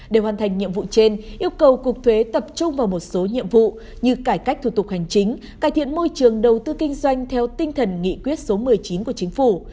để hoàn thành nhiệm vụ trên yêu cầu cục thuế tập trung vào một số nhiệm vụ như cải cách thủ tục hành chính cải thiện môi trường đầu tư kinh doanh theo tinh thần nghị quyết số một mươi chín của chính phủ